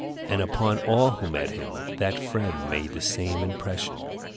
And upon all who met him that friend made the same impression.